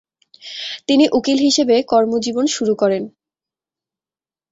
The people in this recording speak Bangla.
তিনি উকিল হিসেবে কর্মজীবন শুরু করেন।